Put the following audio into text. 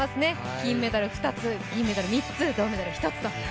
金メダル２つ、銀メダル３つ、銅メダル１つと。